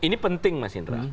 ini penting mas indra